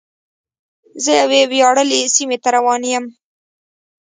زه یوې ویاړلې سیمې ته روان یم.